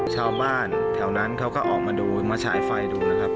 ชาวบ้านแถวนั้นเขาก็ออกมาดูมาฉายไฟดูนะครับ